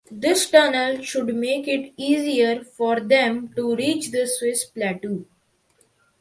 This tunnel should make it easier for them to reach the Swiss plateau.